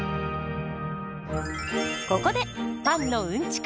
ここでパンのうんちく